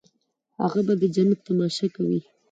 هغه به د جنت تماشه کوي.